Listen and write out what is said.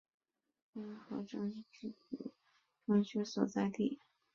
依傍艾尔河是行政中枢所在地。